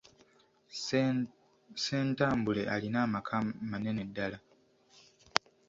Ssentambule alina amaka manene ddala.